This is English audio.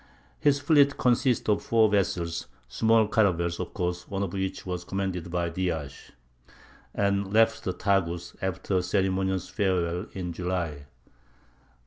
His fleet consisted of four vessels,—small caravels, of course, one of which was commanded by Dias,—and left the Tagus, after ceremonious farewells, in July.